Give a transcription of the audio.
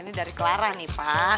ini dari clara nih pak